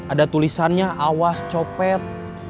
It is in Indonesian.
ada tulisannya awas copet